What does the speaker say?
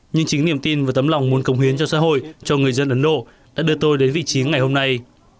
nhưng chính niềm tin và tấm lòng muốn công hiến cho xã hội cho người dân ấn độ đã đưa tôi đến vị trí ngày hôm nay